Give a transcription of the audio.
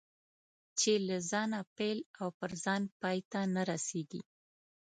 چې له ځانه پیل او پر ځان پای ته نه رسېږي.